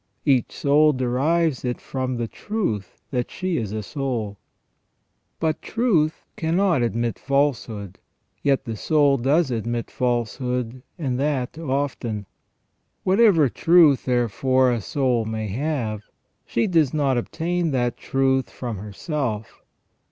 Each soul derives it from the truth that she is a soul. But truth cannot admit falsehood, yet the soul does admit falsehood, and that often. Whatever truth, therefore, a soul may have, she does not obtain that truth from herself.